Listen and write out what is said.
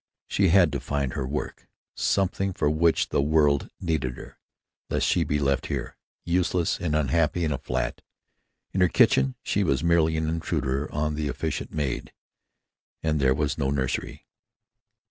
She had to find her work, something for which the world needed her, lest she be left here, useless and unhappy in a flat. In her kitchen she was merely an intruder on the efficient maid, and there was no nursery.